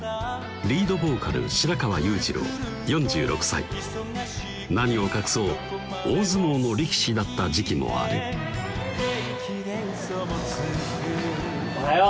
リードボーカル・白川裕二郎４６歳何を隠そう大相撲の力士だった時期もあるおはよう！